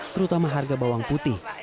terutama harga bawang putih